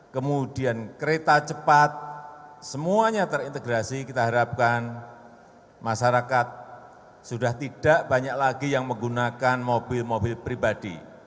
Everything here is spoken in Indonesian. kemudian kereta cepat semuanya terintegrasi kita harapkan masyarakat sudah tidak banyak lagi yang menggunakan mobil mobil pribadi